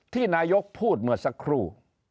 ที่นายกพูดเมื่อสักครู่